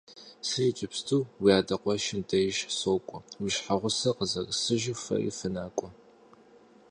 Сэ иджыпсту уи адэ къуэшым деж сокӀуэ, уи щхьэгъусэр къызэрысыжу фэри фынакӀуэ.